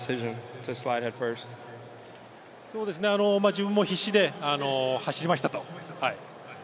自分も必死で走りました。